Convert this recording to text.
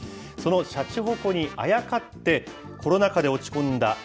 そのしゃちほこにあやかって、コロナ禍で落ち込んだ